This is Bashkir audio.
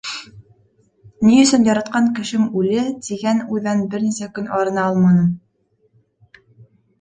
Ни өсөн яратҡан кешем үле, тигән уйҙан бер нисә көн арына алманым.